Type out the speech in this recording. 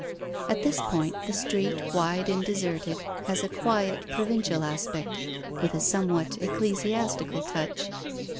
At this point, the street, wide and deserted, has a quiet, provincial aspect, with a somewhat ecclesiastical touch.